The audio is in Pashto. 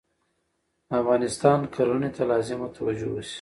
افغانستان کرهنې ته لازمه توجه وشي